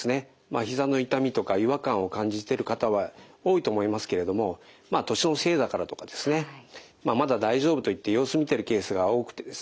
ひざの痛みとか違和感を感じている方は多いと思いますけれども年のせいだからとかですねまだ大丈夫といって様子見ているケースが多くてですね